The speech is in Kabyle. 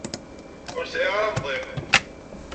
Ur sɛiɣ ara amḍiq.